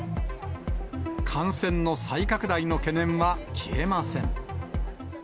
感染の再拡大の懸念は消えません。